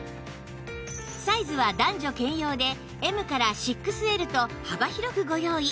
サイズは男女兼用で Ｍ から ６Ｌ と幅広くご用意